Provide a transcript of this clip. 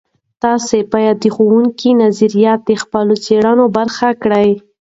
تاسې باید د ښوونکو نظریات د خپلو څیړنو برخه کړئ.